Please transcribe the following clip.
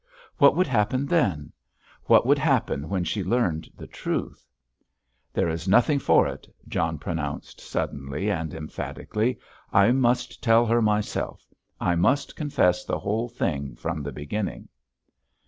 What would happen then? What would happen when she learned the truth? "There is nothing for it," John pronounced suddenly and emphatically. "I must tell her myself—I must confess the whole thing from the beginning."